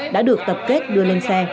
đã được tập kết đưa lên xe